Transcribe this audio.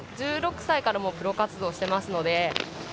１６歳からプロ活動をしています。